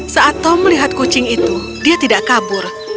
saat tom melihat kucing itu dia tidak kabur